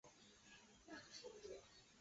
该报可在南京地铁各站台口免费取阅。